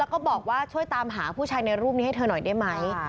แล้วก็บอกว่าช่วยตามหาผู้ชายในรูปนี้ให้เธอหน่อยได้ไหม